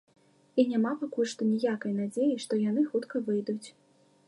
І няма пакуль што ніякай надзеі, што яны хутка выйдуць.